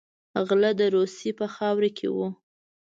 غله د روسیې په خاوره کې وو.